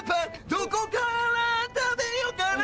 どこから食べよかな